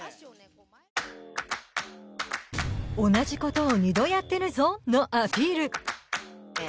「同じことを２度やっているぞ」のアピール。